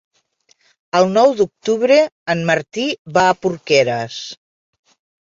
El nou d'octubre en Martí va a Porqueres.